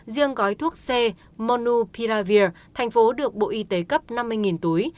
riêng gói thuốc c monu piravir tp hcm được bộ y tế cấp năm mươi túi